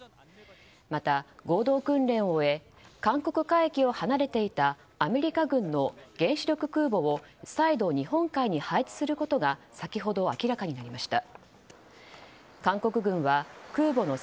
また、合同訓練を終え韓国海域を離れていたアメリカ軍の原子力空母を再度日本海に配置することが先ほど明らかになりました。